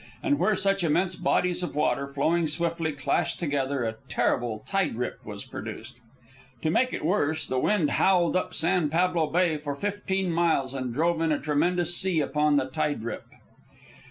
And where such immense bodies of water, flowing swiftly, clashed together, a terrible tide rip was produced. To make it worse, the wind howled up San Pablo Bay for fifteen miles and drove in a tremendous sea upon the tide rip.